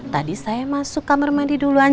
tadi saya masuk kamar mandi duluan